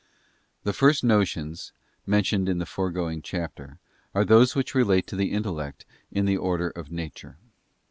Tue first notions, mentioned in the foregoing chapter, are those which relate to the intellect in the order of nature.